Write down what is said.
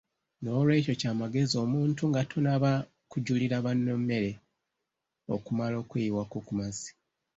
N'olwekyo kya magezi omuntu nga tonnaba kujjulira banno mmere okumala okweyiwako ku mazzi.